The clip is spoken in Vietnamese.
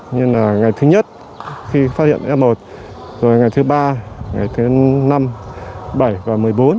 như là ngày thứ nhất khi phát hiện f một rồi ngày thứ ba ngày thứ năm bảy và một mươi bốn